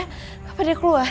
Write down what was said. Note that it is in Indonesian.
kenapa dia keluar